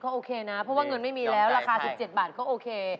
โอเคนะเพราะว่าเงินไม่มีแล้วราคา๑๗บาทก็โอเค